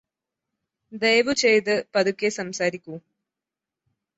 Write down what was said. ദയവുചെയ്ത് പതുക്കെ സംസാരിക്കൂ